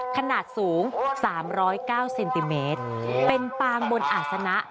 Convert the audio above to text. ขนาดสูง๓๐๙เซนติเมตรเป็นปางบนอาศนะ